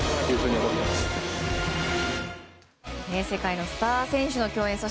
世界のスター選手の共演。